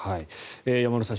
山村さん